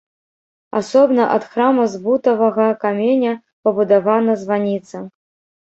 Асобна ад храма з бутавага каменя пабудавана званіца.